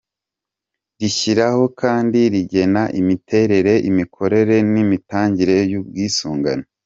rishyiraho kandi rigena imiterere, imikorere n‟imitangire y‟ubwisungane mu